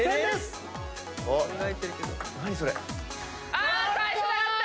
あ返せなかった！